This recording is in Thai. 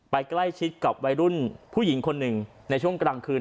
ใกล้ชิดกับวัยรุ่นผู้หญิงคนหนึ่งในช่วงกลางคืน